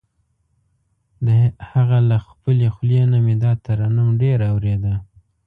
د هغه له خپلې خولې نه مې دا ترنم ډېر اورېده.